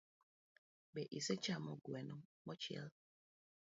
Be isechamo gweno mochiel?